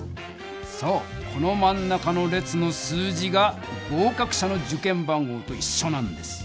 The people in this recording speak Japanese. そうこのまん中の列の数字が合かく者の受験番号といっしょなんです。